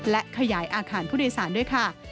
และขยายอาคารผู้โดยสารด้วยค่ะ